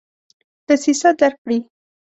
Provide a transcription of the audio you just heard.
دسیسه درک کړي.